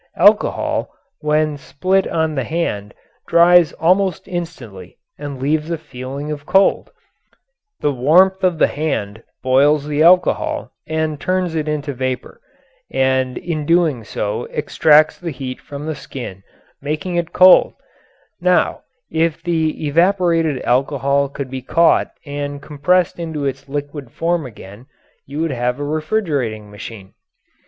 Alcohol when spilt on the hand dries almost instantly and leaves a feeling of cold the warmth of the hand boils the alcohol and turns it into vapour, and in doing so extracts the heat from the skin, making it cold; now, if the evaporated alcohol could be caught and compressed into its liquid form again you would have a refrigerating machine.